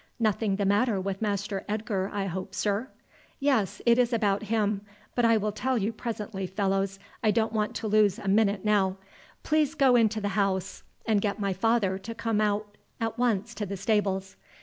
"Nothing the matter with Master Edgar, I hope, sir?" "Yes, it is about him; but I will tell you presently, Fellows, I don't want to lose a minute now. Please go into the house and get my father to come out at once to the stables.